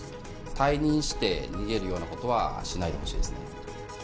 退任して逃げるようなことはしないでほしいですね。